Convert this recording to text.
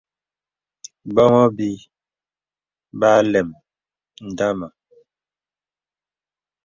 Bòŋhô bī ba àləm ndama.